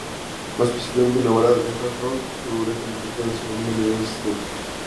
Más específicamente una balada de "hard rock", su letra trata sobre una admiradora insistente.